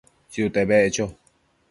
Tsiute beccho